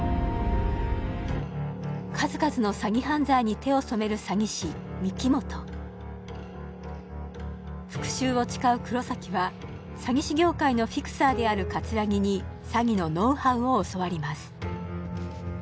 数々の詐欺犯罪に手を染める詐欺師御木本復讐を誓う黒崎は詐欺師業界のフィクサーである桂木に詐欺のノウハウを教わります